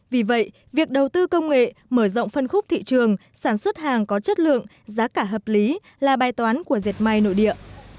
vì vậy việc đầu tư công nghệ mở rộng phân khúc thị trường sản xuất hàng có chất lượng giá cả hợp lý là bài toán của diệt may nội địa